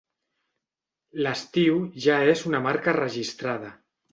L'estiu ja és una marca registrada.